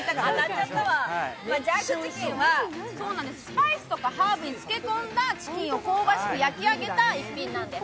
ジャークチキンはスパイスとかハーブに漬け込んだチキンを香ばしく焼き上げた一品なんです。